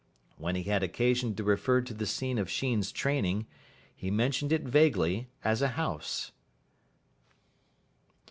When he had occasion to refer to the scene of Sheen's training, he mentioned it vaguely as a house.